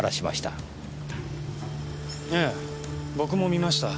ええ僕も見ました。